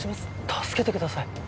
助けてください